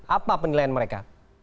apa penilaian mereka